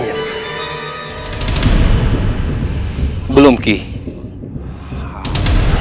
apa yang kamu inginkan